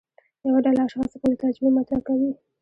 یوه ډله اشخاص خپلې تجربې مطرح کوي.